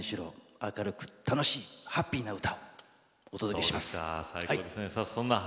明るく楽しくハッピーな歌をお届けします。